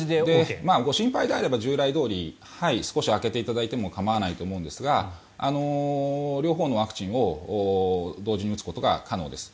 ご心配であれば、従来どおり少し空けていただいても構わないと思うんですが両方のワクチンを同時に打つことが可能です。